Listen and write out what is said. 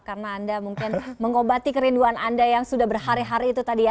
karena anda mungkin mengobati kerinduan anda yang sudah berhari hari itu tadi ya